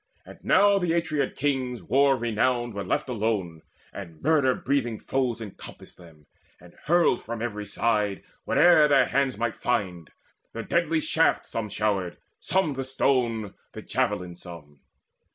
And now the Atreid kings, the war renowned, Were left alone, and murder breathing foes Encompassed them, and hurled from every side Whate'er their hands might find the deadly shaft Some showered, some the stone, the javelin some.